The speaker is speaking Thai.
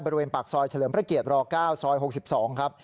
บริเวณปากซอยเฉลิมพระเกียร๙ซอย๖๒ครับ